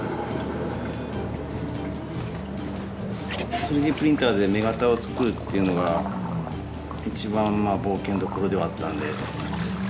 ３Ｄプリンターで雌型を作るっていうのが一番冒険どころではあったんで。